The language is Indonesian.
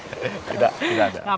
tidak tidak ada